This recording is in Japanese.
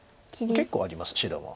結構あります白も。